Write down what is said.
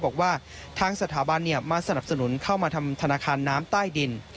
บอกว่าทางสถาบันมาสนับสนุนเข้ามาทำธนาคารน้ำใต้ดิน